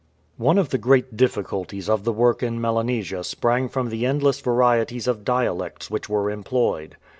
One of the great difficulties of the work in Melanesia sprang from the endless varieties of dialects which were employed.